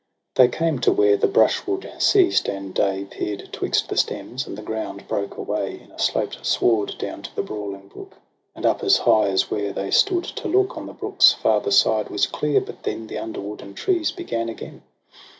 They came to where the brushwood ceased, and day Peer'd 'twixt the stems; and the ground broke away, In a sloped sward down to a brawling brook. And up as high as where they stood to look On the brook's farther side was clear; but then The underwood and trees began again.